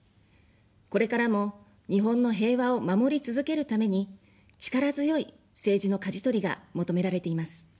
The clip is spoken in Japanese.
これからも日本の平和を守り続けるために、力強い政治のかじ取りが求められています。